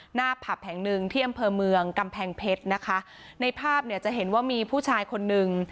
ผับแห่งหนึ่งที่อำเภอเมืองกำแพงเพชรนะคะในภาพเนี่ยจะเห็นว่ามีผู้ชายคนนึง